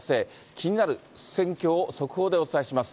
気になる戦況を速報でお伝えします。